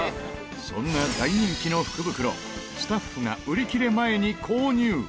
そんな大人気の福袋スタッフが売り切れ前に購入